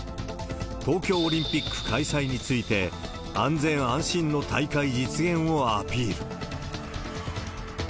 東京オリンピック開催について、安全安心の大会実現をアピール。